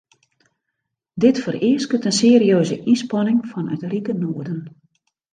Dit fereasket in serieuze ynspanning fan it rike noarden.